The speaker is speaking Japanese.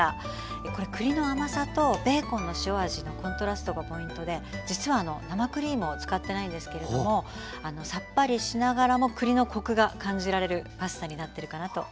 これ栗の甘さとベーコンの塩味のコントラストがポイントで実は生クリームを使ってないんですけれどもさっぱりしながらも栗のコクが感じられるパスタになってるかなと思います。